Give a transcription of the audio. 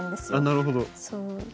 なるほど。